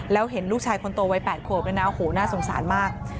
แล้วเห็นลูกชายคนโตวัย๘ขวบน่าสงสารมาก